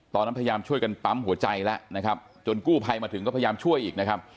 พยายามช่วยกันปั๊มหัวใจแล้วนะครับจนกู้ภัยมาถึงก็พยายามช่วยอีกนะครับ